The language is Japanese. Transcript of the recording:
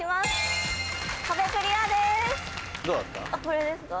これですか？